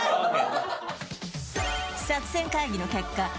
作戦会議の結果